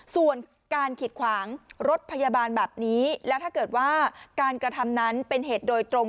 ส่วนการขีดขวางรถพยาบาลแบบนี้และถ้าเกิดว่าการกระทำนั้นเป็นเหตุโดยตรง